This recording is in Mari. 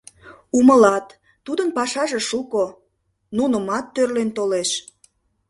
Умылат: тудын пашаже шуко, нунымат тӧрлен толеш.